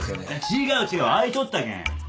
違う違う開いちょったけん。